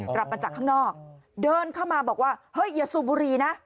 กลับมาจากข้างนอกเดินเข้ามาบอกว่าเฮ้ยอย่าสูบบุหรี่นะ